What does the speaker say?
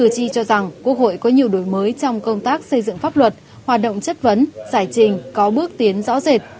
chi cho rằng quốc hội có nhiều đổi mới trong công tác xây dựng pháp luật hoạt động chất vấn giải trình có bước tiến rõ rệt